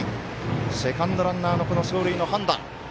セカンドランナーの走塁の判断。